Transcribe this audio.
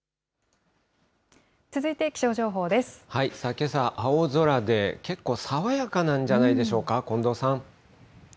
けさ、青空で、結構、爽やかなんじゃないでしょうか、近藤さん。